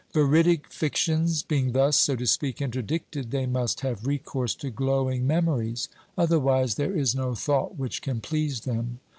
Veridic fictions being thus, so to speak, interdicted, they must have recourse to glowing memories ; otherwise, there is no OBERMANN 395 thought which can please them.